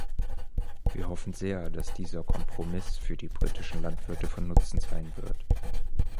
Wir hoffen sehr, dass dieser Kompromiss für die britischen Landwirte von Nutzen sein wird.